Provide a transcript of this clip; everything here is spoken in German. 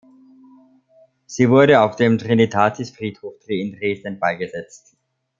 Sie wurde auf dem Trinitatisfriedhof in Dresden beigesetzt.